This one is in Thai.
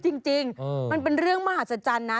จริงมันเป็นเรื่องมหัศจรรย์นะ